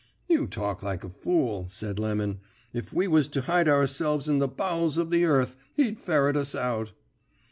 "'You talk like a fool,' said Lemon. 'If we was to hide ourselves in the bowels of the earth he'd ferret us out.'